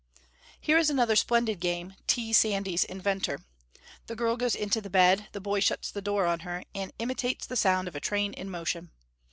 Here is another splendid game, T. Sandys, inventor. The girl goes into the bed, the boy shuts the door on her, and imitates the sound of a train in motion.